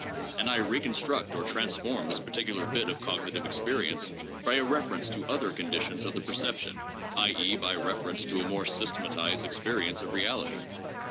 And I reconstruct or transform this particular bit of cognitive experience by a reference to other conditions of the perception, i. e., by refer ence to a more systematized experience of reality.